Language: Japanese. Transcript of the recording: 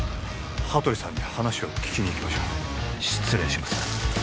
羽鳥さんに話を聞きに行きましょう失礼します